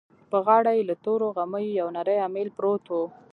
په غاړه يې له تورو غميو يو نری اميل پروت و.